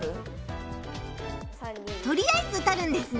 とりあえずとるんですね。